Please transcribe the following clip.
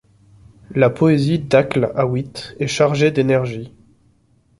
La poésie d’Akl Awit est chargée d’énergie.